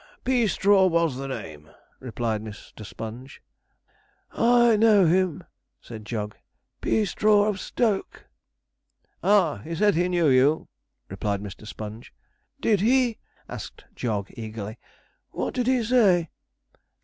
'Pea Peastraw was the name,' replied Mr. Sponge. 'I know him,' said Jog; 'Peastraw of Stoke.' 'Ah, he said he knew you.' replied Mr. Sponge. 'Did he?' asked Jog eagerly. 'What did he say?'